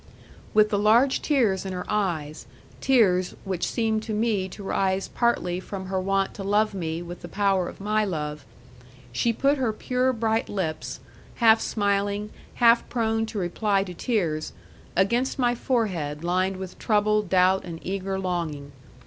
With the large tears in her eyes tears which seemed to me to rise partly from her want to love me with the power of my love she put her pure bright lips, half smiling, half prone to reply to tears, against my forehead lined with trouble, doubt, and eager longing.